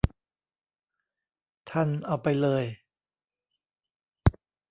ทัน เอาไปเลย